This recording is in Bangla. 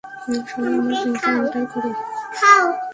শোনো, আমার পিনটা এন্টার করো।